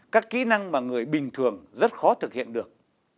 các kỹ năng mà người bình thường rất khó thực hiện được